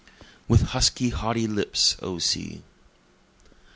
With Husky Haughty Lips, O Sea!